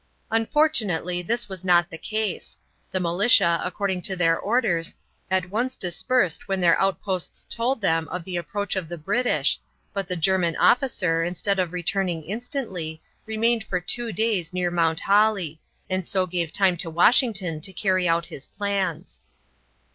Unfortunately this was not the case. The militia, according to their orders, at once dispersed when their outposts told them of the approach of the British, but the German officer, instead of returning instantly, remained for two days near Mount Holly, and so gave time to Washington to carry out his plans.